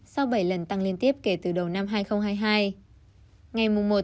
sau bảy lần tăng liên tiếp kể từ đầu năm hai nghìn hai mươi hai